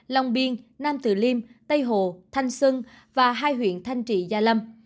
lòng biên nam từ liêm tây hồ thanh sơn và hai huyện thanh trị gia lâm